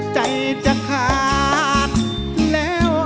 ใจจะขาดแล้วเอ้ย